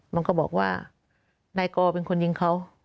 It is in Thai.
มันก็บอกว่านายกอเป็นคนยิงเขา